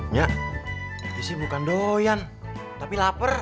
nyak ini sih bukan doyan tapi lapar